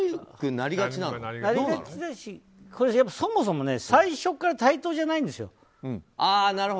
なりがちだしそもそもね、最初から対等じゃないんですよ。